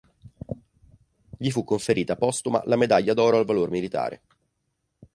Gli fu conferita postuma la medaglia d'oro al valor militare.